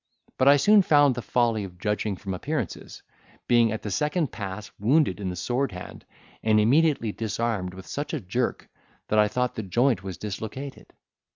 But I soon found the folly of judging from appearances; being at the second pass wounded in the sword hand, and immediately disarmed with such a jerk, that I thought the joint was dislocated.